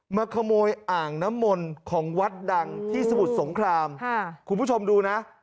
มาขโมยอ่างน้ำมนต์ของวัดดังที่สมุทรสงครามคุณผู้ชมดูนะ